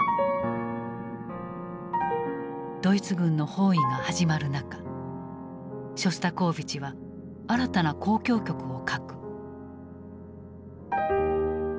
ドイツ軍の包囲が始まる中ショスタコーヴィチは新たな交響曲を書く。